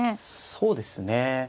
そうですね。